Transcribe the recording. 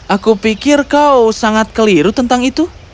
aku pikir kau sangat keliru tentang itu